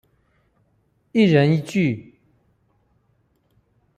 一人一句